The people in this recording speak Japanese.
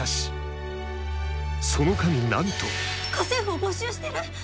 その神なんと家政婦を募集してる！？